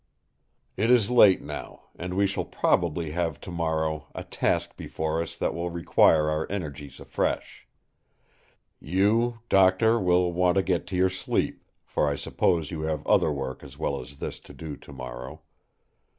It is late now; and we shall probably have tomorrow a task before us that will require our energies afresh. You, Doctor, will want to get to your sleep; for I suppose you have other work as well as this to do tomorrow.